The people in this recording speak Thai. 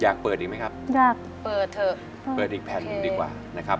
อยากเปิดอีกไหมครับอยากเปิดเถอะเปิดอีกแผ่นหนึ่งดีกว่านะครับ